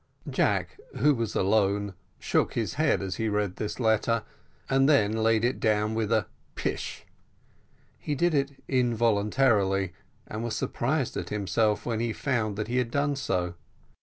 Jack, who was alone, shook his head as he read this letter, and then laid it down with a pish! He did it involuntarily, and was surprised at himself when he found that he had so done.